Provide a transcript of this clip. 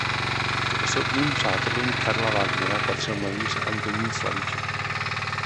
K osobním přátelům Karla Wagnera patřil malíř Antonín Slavíček.